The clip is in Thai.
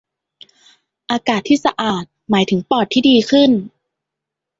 อากาศที่สะอาดหมายถึงปอดที่ดีขึ้น